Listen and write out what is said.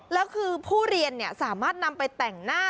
แล้วคือผู้เรียนสามารถนำไปแต่งหน้า